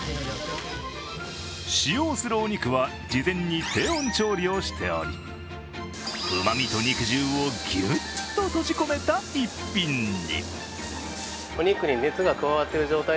使用するお肉は事前に低温調理をしており、うまみと肉汁をぎゅっと閉じ込めた一品に。